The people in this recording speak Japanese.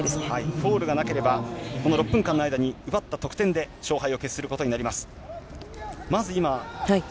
フォールがなければ、６分間の間に奪った得点で勝敗を決することになります。